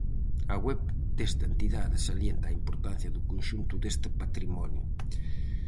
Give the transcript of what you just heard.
A web desta entidade salienta a importancia do conxunto deste patrimonio.